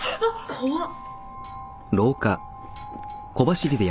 怖っ。